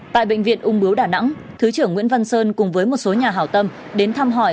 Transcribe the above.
tại bệnh viện ung bướu đà nẵng thứ trưởng nguyễn văn sơn cùng với một số nhà hảo tâm đến thăm hỏi